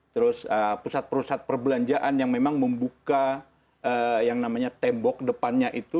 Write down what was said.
terus pusat pusat perbelanjaan yang memang membuka yang namanya tembok depannya itu